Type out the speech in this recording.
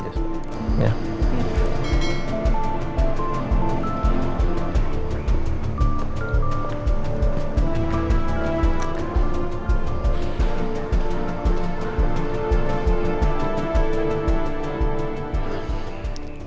gue bawa tasnya aja